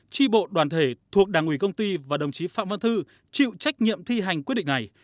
tri bộ đoàn thể thuộc đảng ủy công ty và đồng chí phạm văn thư chịu trách nhiệm thi hành quyết định này